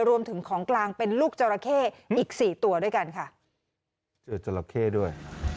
รวมถึงของกลางเป็นลูกจราเข้อีกสี่ตัวด้วยกันค่ะเจอจราเข้ด้วย